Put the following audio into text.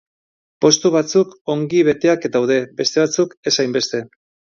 Postu batzuk ongi beteak daude, beste batzuk ez hainbeste.